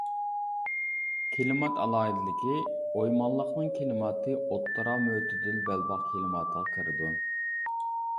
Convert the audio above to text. كىلىمات ئالاھىدىلىكى ئويمانلىقىنىڭ كىلىماتى ئوتتۇرا مۆتىدىل بەلباغ كىلىماتىغا كىرىدۇ.